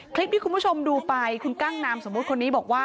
คลิปที่คุณผู้ชมดูไปคุณกั้งนามสมมุติคนนี้บอกว่า